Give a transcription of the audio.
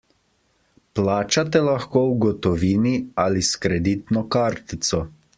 Plačate lahko v gotovini ali s kreditno kartico.